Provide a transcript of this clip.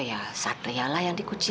ma selamat pagi